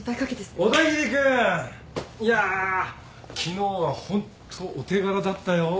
小田切君！いや昨日はホントお手柄だったよ。